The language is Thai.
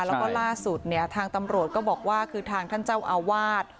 แล้วก็ล่าสุดเนี่ยทางตำรวจก็บอกว่าคือทางท่านเจ้าอาวาส